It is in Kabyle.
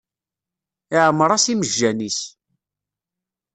Iɛemmeṛ-as imejjan-is.